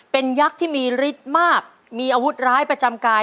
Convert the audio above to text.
เป็นยักษ์ที่มีฤทธิ์มากมีอาวุธร้ายประจำกาย